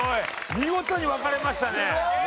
見事に分かれましたね。